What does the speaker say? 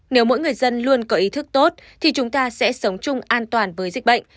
nếu mỗi người dân luôn có ý thức tốt thì chúng ta sẽ sống chung an toàn với dịch bệnh